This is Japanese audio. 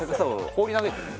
放り投げてるの？